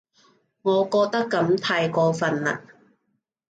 我覺得噉太過份喇